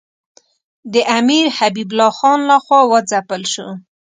د امیر حبیب الله خان له خوا وځپل شو.